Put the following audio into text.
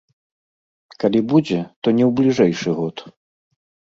Калі будзе, то не ў бліжэйшы год.